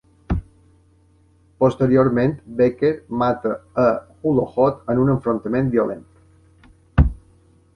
Posteriorment, Becker mata a Hulohot en un enfrontament violent.